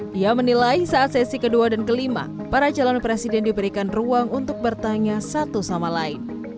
dia menilai saat sesi kedua dan kelima para calon presiden diberikan ruang untuk bertanya satu sama lain